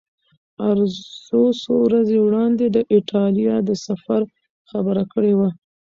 ارزو څو ورځې وړاندې د ایټالیا د سفر خبره کړې وه.